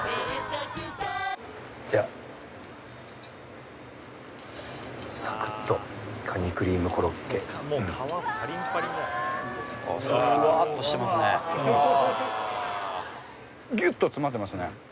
じゃあサクッとカニクリームコロッケあっすごいふわっとしてますねギュッと詰まってますね